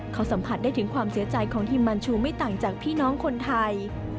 เขาสัมผัสได้ถึงความเสียใจของฮิมมันชูไม่ต่างจากพี่น้องคนไทย